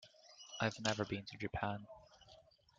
I've never been to Japan.